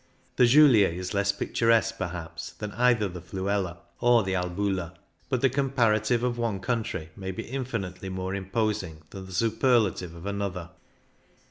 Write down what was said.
The Julier is less picturesque, perhaps, than either the Fluela or the Albula, but the comparative of one country may be in finitely more imposing than the superlative of another.